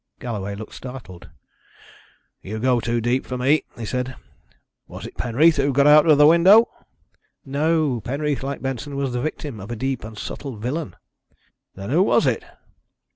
_" Galloway looked startled. "You go too deep for me," he said. "Was it Penreath who got out of the window?" "No, Penreath, like Benson, was the victim of a deep and subtle villain." "Then who was it?"